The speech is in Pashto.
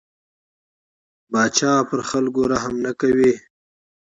پاچا پر خلکو رحم نه کوي.